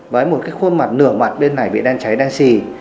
với một cái khuôn mặt nửa mặt bên này bị đen cháy đen xì